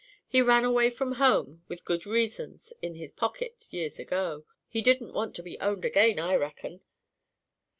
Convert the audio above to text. "He ran away from home with good reasons in his pocket years ago: he didn't want to be owned again, I reckon."